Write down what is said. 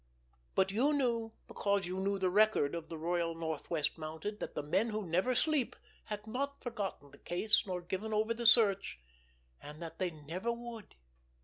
But you knew, because you knew the record of the Royal Northwest Mounted, that the Men Who Never Sleep had not forgotten the case, nor given over the search—and that they never would.